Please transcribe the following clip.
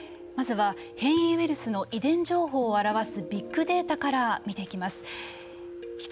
まずは、変異ウイルスの遺伝情報を表すデータから見ていきます。